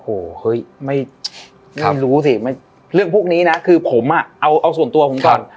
โอ้โหเฮ้ยไม่รู้สิเรื่องพวกนี้นะคือผมอ่ะเอาส่วนตัวผมก่อน